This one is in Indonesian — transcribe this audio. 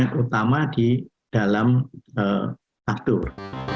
yang terutama di dalam aftur